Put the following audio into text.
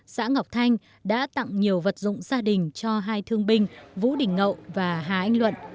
xã ngọc thanh đã tặng nhiều vật dụng gia đình cho hai thương binh vũ đình ngậu và hà anh luận